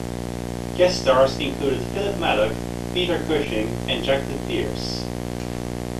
Guest stars included Philip Madoc, Peter Cushing and Jacqueline Pearce.